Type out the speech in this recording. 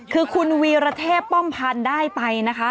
คือคุณวีรเทพป้อมพันธ์ได้ไปนะคะ